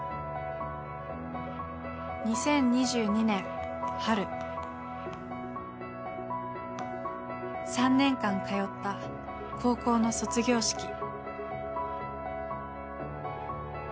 ２０２２年春３年間通った高校の卒業式